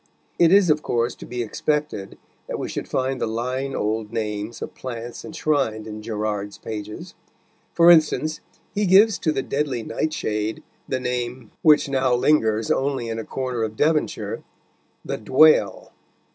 It is, of course, to be expected that we should find the line old names of plants enshrined in Gerard's pages. For instance, he gives to the deadly nightshade the name, which now only lingers in a corner of Devonshire, the "dwale."